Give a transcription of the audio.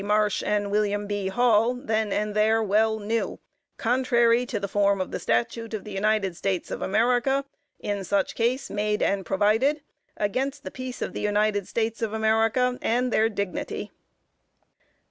Marsh and William B. Hall, then and there well knew, contrary to the form of the statute of the United States of America in such case made and provided, against the peace of the United States of America and their dignity.